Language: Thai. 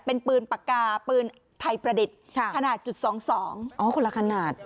เป็นปืนปากกาปืนไทยประดิษฐ์ขนาดจุดสองสองอ๋อคนละขนาด